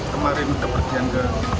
kemarin kepergian ke